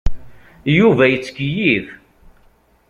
Yuba yettkeyyif.